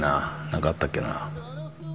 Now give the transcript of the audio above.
何かあったっけな？